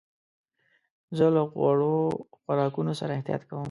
زه له غوړو خوراکونو سره احتياط کوم.